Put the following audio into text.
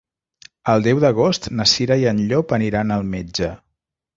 El deu d'agost na Cira i en Llop aniran al metge.